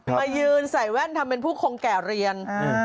มายืนใส่แว่นทำเป็นผู้คงแก่เรียน